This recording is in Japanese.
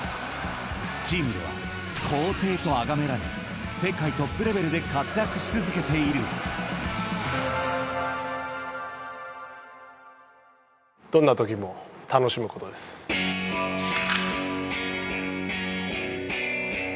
［チームでは皇帝とあがめられ世界トップレベルで活躍し続けている］っていう部分では。